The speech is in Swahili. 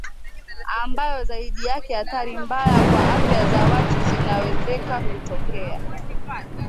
ambayo zaidi yake athari mbaya kwa afya za watu zinawezeka kutokea